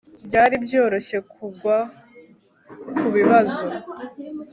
Byari byoroshye kugwa kubibazo